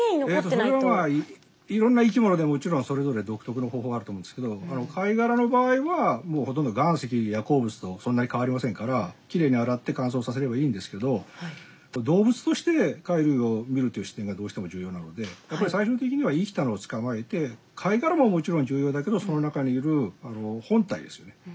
それはまあいろんな生きものでもちろんそれぞれ独特の方法があると思うんですけど貝殻の場合は岩石や鉱物とそんなに変わりませんからきれいに洗って乾燥させればいいんですけど動物として貝類を見るという視点がどうしても重要なのでやっぱり最終的には生きたのを捕まえて貝殻ももちろん重要だけどその中にいる本体ですよね。